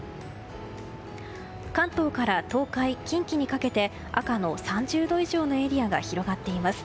関東から東海・近畿にかけて赤の３０度以上のエリアが広がっています。